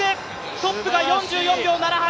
トップが４４秒７８！